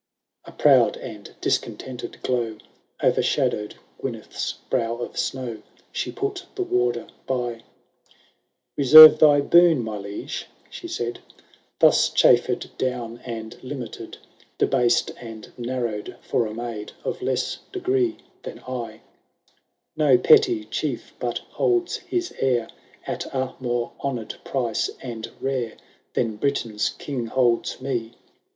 ^ XXI. ^^ A proud and discontented glow O'ershadow'd Gyneth 's brow of snow ; She put the warder by :—^ Reserve thy boon, my liege,' she said, ^ Thus chaiFer'd down and limited. Debased and narrowed, for a nuud Of less degree than I. Canto If. THB BRIDAL OF nUSMf AXN. 49 No petty chief, but holds his heir At a more honour*d price and rare Than Britain^s King holds me